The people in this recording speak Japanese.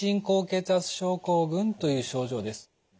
高血圧症候群という症状です。